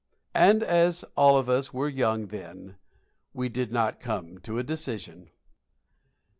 And as all of us were young then, we did not come to a decision.